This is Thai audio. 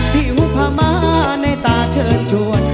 ผิวพามาในตาเชิญชวน